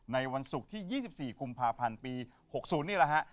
วันศุกร์ที่๒๔กุมภาพันธ์ปี๖๐นี่แหละฮะ